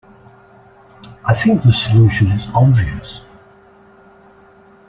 I think the solution is obvious.